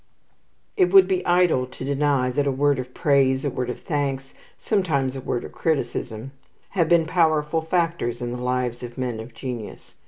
It would be idle to deny that a word of praise, a word of thanks, sometimes a word of criticism, have been powerful factors in the lives of men of genius.